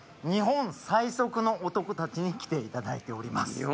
日本最速の男たちに来ていただいております。